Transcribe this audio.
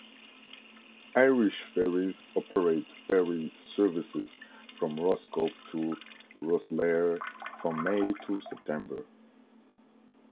Irish Ferries operate ferry services from Roscoff to Rosslare from May to September.